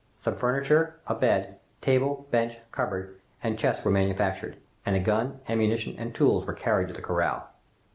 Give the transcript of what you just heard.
Some furniture, a bed, table, bench, cupboard, and chest were manufactured, and a gun, ammunition, and tools were carried to the corral.